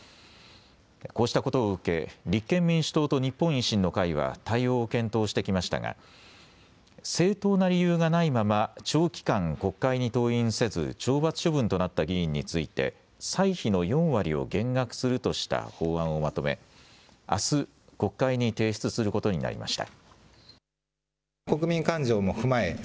こうしたことを受け立憲民主党と日本維新の会は対応を検討してきましたが正当な理由がないまま長期間国会に登院せず懲罰処分となった議員について歳費の４割を減額するとした法案をまとめ、あす国会に提出することになりました。